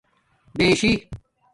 بشی